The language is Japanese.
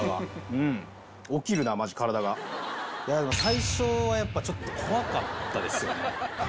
最初はやっぱちょっと怖かったですよね。